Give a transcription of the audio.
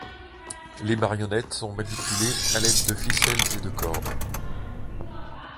Les marionnettes sont manipulées à l'aide de ficelles et de cordes.